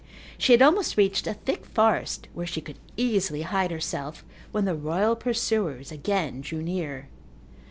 She had almost reached a thick forest where she could easily hide herself when the royal pursuers again drew near.